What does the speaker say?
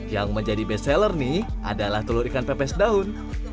yang menjadi best seller nih adalah telur ikan pepes daun